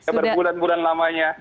berbulan bulan lamanya pak putri